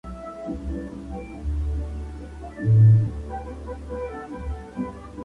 El convento, fue transformado y arreglado por completo para convertirlo en cuartel.